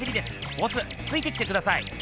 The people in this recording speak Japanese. ボスついてきてください！